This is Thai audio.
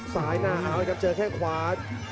ซ้ายหน้าอาวุธครับเจอแข้งขวา